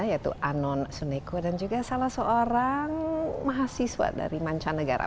yaitu anon suneko dan juga salah seorang mahasiswa dari mancanegara